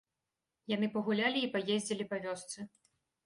Яны пагулялі і паездзілі па вёсцы.